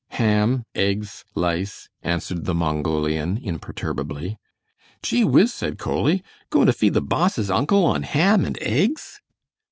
"Ham, eggs, lice," answered the Mongolian, imperturbably. "Gee whiz!" said Coley, "goin' to feed the boss' uncle on ham and eggs?"